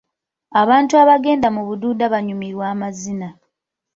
Abantu abagenda mu buduula banyumirwa amazina.